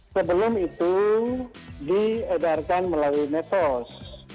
sebelum itu diedarkan melalui metos